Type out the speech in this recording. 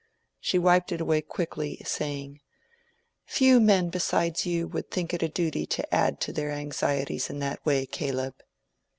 She wiped it away quickly, saying— "Few men besides you would think it a duty to add to their anxieties in that way, Caleb."